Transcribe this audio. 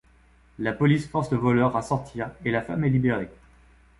La police force le voleur à sortir et la femme est libérée.